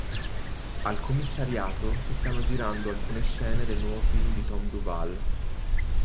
Al commissariato si stanno girando alcune scene del nuovo film di Tom Duval.